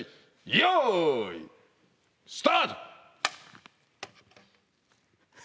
よい！スタート！